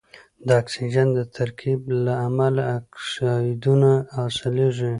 د اکسیجن د ترکیب له امله اکسایدونه حاصلیږي.